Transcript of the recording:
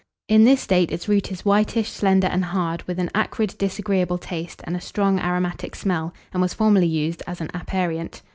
In this state its root is whitish, slender, and hard, with an acrid, disagreeable taste, and a strong aromatic smell, and was formerly used as an aperient.